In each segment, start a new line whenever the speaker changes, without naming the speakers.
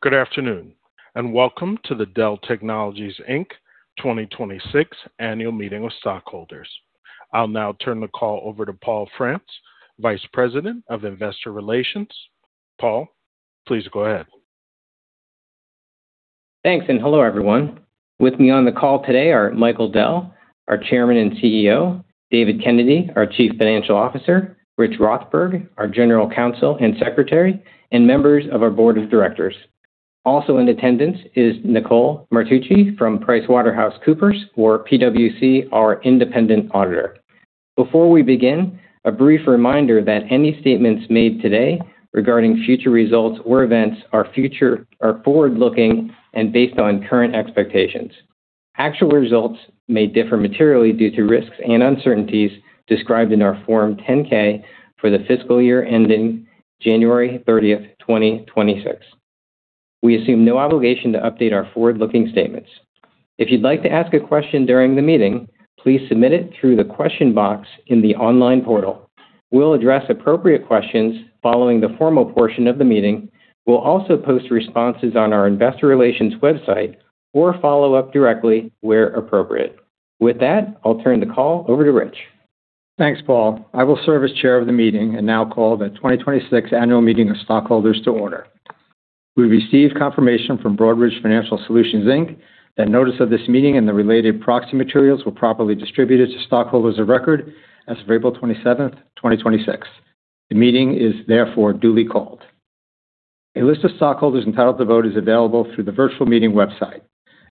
Good afternoon, and welcome to the Dell Technologies Inc. 2026 annual meeting of stockholders. I'll now turn the call over to Paul Frantz, Vice President of Investor Relations. Paul, please go ahead.
Thanks, and hello, everyone. With me on the call today are Michael Dell, our Chairman and CEO, David Kennedy, our Chief Financial Officer, Rich Rothberg, our General Counsel and Secretary, and members of our board of directors. Also in attendance is Nicole Martucci from PricewaterhouseCoopers, or PwC, our independent auditor. Before we begin, a brief reminder that any statements made today regarding future results or events are forward-looking and based on current expectations. Actual results may differ materially due to risks and uncertainties described in our Form 10-K for the fiscal year ending January 30th, 2026. We assume no obligation to update our forward-looking statements. If you'd like to ask a question during the meeting, please submit it through the question box in the online portal. We'll address appropriate questions following the formal portion of the meeting. We'll also post responses on our investor relations website or follow up directly where appropriate. With that, I'll turn the call over to Rich.
Thanks, Paul. I will serve as chair of the meeting and now call the 2026 annual meeting of stockholders to order. We received confirmation from Broadridge Financial Solutions Inc. that notice of this meeting and the related proxy materials were properly distributed to stockholders of record as of April 27th, 2026. The meeting is therefore duly called. A list of stockholders entitled to vote is available through the virtual meeting website.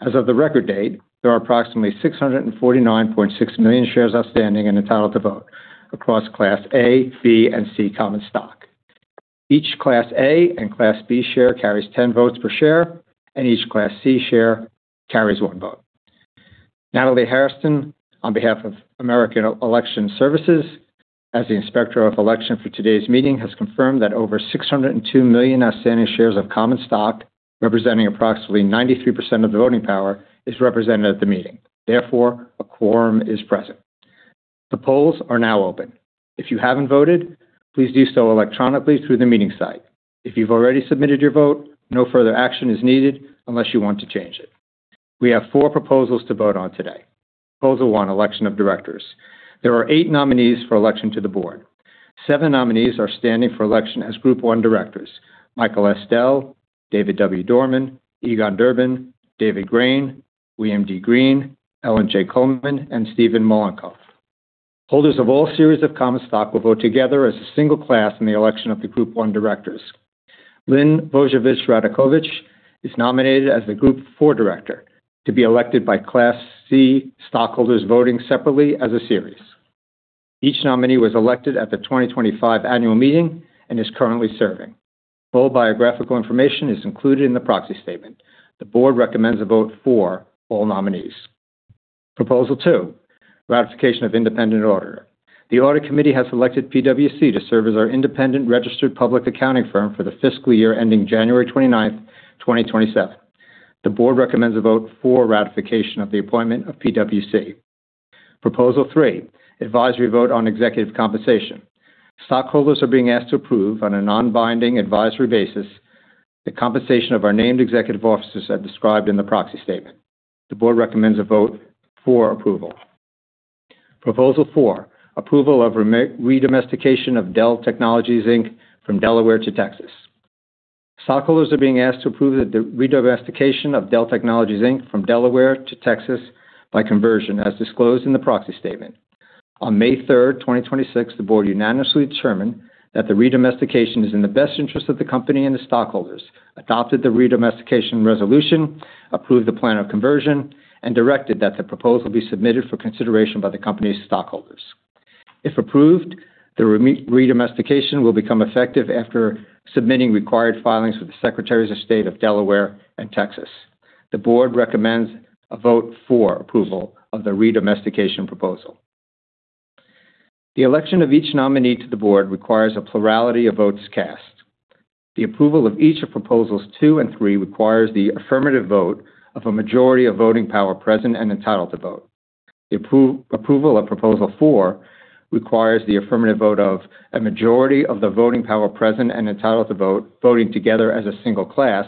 As of the record date, there are approximately 649.6 million shares outstanding and entitled to vote across Class A, B, and C common stock. Each Class A and Class B share carries 10 votes per share, and each Class C share carries one vote. Natalie Harrison, on behalf of American Election Services, as the Inspector of Election for today's meeting, has confirmed that over 602 million outstanding shares of common stock, representing approximately 93% of the voting power, is represented at the meeting. Therefore, a quorum is present. The polls are now open. If you haven't voted, please do so electronically through the meeting site. If you've already submitted your vote, no further action is needed unless you want to change it. We have four proposals to vote on today. Proposal one, election of directors. There are eight nominees for election to the board. Seven nominees are standing for election as Group I directors, Michael S. Dell, David W. Dorman, Egon Durban, David Grain, William D. Green, Ellen J. Kullman, and Steven M. Mollenkopf. Holders of all series of common stock will vote together as a single class in the election of the Group I directors. Lynn Vojvodich Radakovich is nominated as the Group IV director to be elected by Class C stockholders voting separately as a series. Each nominee was elected at the 2025 annual meeting and is currently serving. Full biographical information is included in the proxy statement. The board recommends a vote for all nominees. Proposal two, ratification of independent auditor. The audit committee has selected PwC to serve as our independent registered public accounting firm for the fiscal year ending January 29th, 2027. The board recommends a vote for ratification of the appointment of PwC. Proposal three, advisory vote on executive compensation. Stockholders are being asked to approve, on a non-binding advisory basis, the compensation of our named executive officers as described in the proxy statement. The board recommends a vote for approval. Proposal four, approval of re-domestication of Dell Technologies Inc. from Delaware to Texas. Stockholders are being asked to approve the re-domestication of Dell Technologies Inc. from Delaware to Texas by conversion, as disclosed in the proxy statement. On May 3rd, 2026, the board unanimously determined that the re-domestication is in the best interest of the company and the stockholders, adopted the re-domestication resolution, approved the plan of conversion, and directed that the proposal be submitted for consideration by the company's stockholders. If approved, the re-domestication will become effective after submitting required filings with the Secretaries of State of Delaware and Texas. The board recommends a vote for approval of the re-domestication proposal. The election of each nominee to the board requires a plurality of votes cast. The approval of each of proposals two and three requires the affirmative vote of a majority of voting power present and entitled to vote. The approval of proposal four requires the affirmative vote of a majority of the voting power present and entitled to vote, voting together as a single class,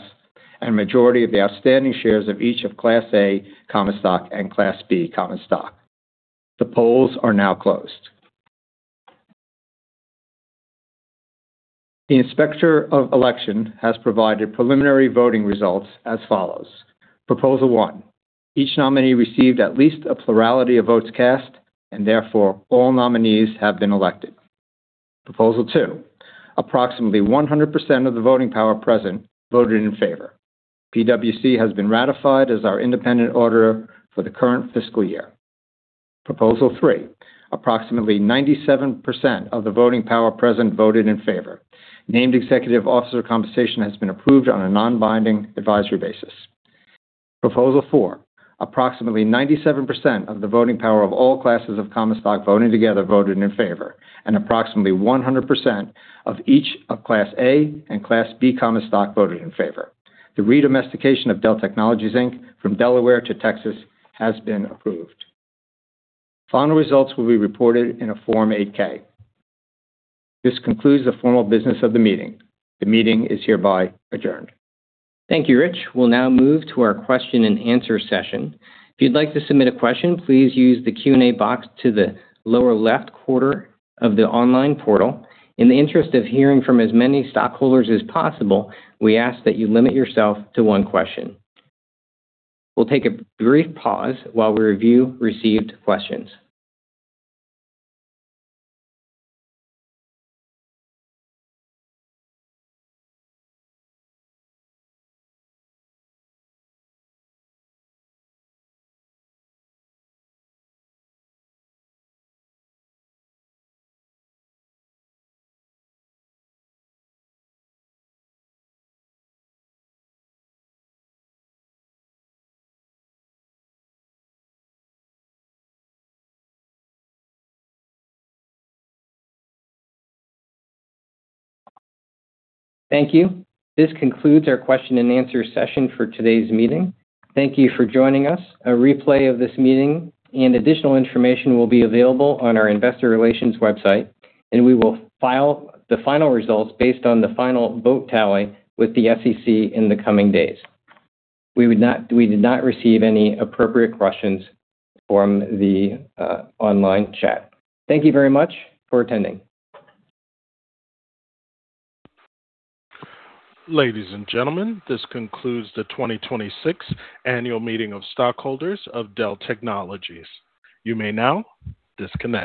and a majority of the outstanding shares of each of Class A Common Stock and Class B Common Stock. The polls are now closed. The Inspector of Election has provided preliminary voting results as follows. Proposal one, each nominee received at least a plurality of votes cast, and therefore, all nominees have been elected. Proposal two, approximately 100% of the voting power present voted in favor. PwC has been ratified as our independent auditor for the current fiscal year. Proposal three, approximately 97% of the voting power present voted in favor. Named executive officer compensation has been approved on a non-binding advisory basis. Proposal four, approximately 97% of the voting power of all classes of common stock voting together voted in favor, and approximately 100% of each of Class A Common Stock and Class B Common Stock voted in favor. The re-domestication of Dell Technologies Inc. from Delaware to Texas has been approved. Final results will be reported in a Form 8-K. This concludes the formal business of the meeting. The meeting is hereby adjourned.
Thank you, Rich. We'll now move to our question-and-answer session. If you'd like to submit a question, please use the Q&A box to the lower left quarter of the online portal. In the interest of hearing from as many stockholders as possible, we ask that you limit yourself to one question. We'll take a brief pause while we review received questions. Thank you. This concludes our question-and-answer session for today's meeting. Thank you for joining us. A replay of this meeting and additional information will be available on our investor relations website. We will file the final results based on the final vote tally with the SEC in the coming days. We did not receive any appropriate questions from the online chat. Thank you very much for attending.
Ladies and gentlemen, this concludes the 2026 annual meeting of stockholders of Dell Technologies. You may now disconnect.